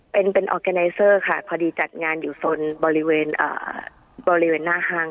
เป็นเป็นออร์แกไนเซอร์ค่ะพอดีจัดงานอยู่โซนบริเวณบริเวณหน้าห้าง